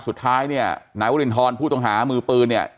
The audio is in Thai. สุดท้ายเนี่ยนายวรินทรผู้ต้องหามือปืนเนี่ย